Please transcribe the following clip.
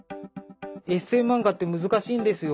「エッセイ漫画って難しいんですよ。